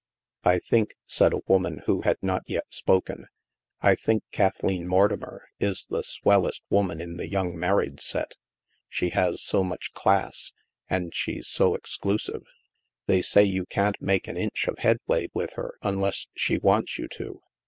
" I think," said a woman who had not yet spoken, " I think Kathleen Mortimer is the swellest woman in the young married set. She has so much class, and she's so exclusive. They say you can't make an inch of headway with her unless she wants you to.